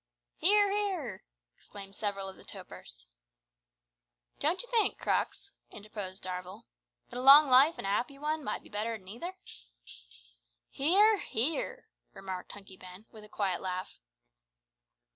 "Hear! hear!" exclaimed several of the topers. "Don't ye think, Crux," interposed Darvall, "that a long life an' a happy one might be better than either?" "Hear! hear!" remarked Hunky Ben, with a quiet laugh.